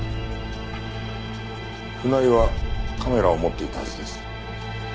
船井はカメラを持っていたはずです。